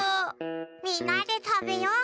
みんなでたべよう。